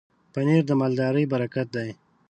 پنېر د مالدارۍ برکت دی.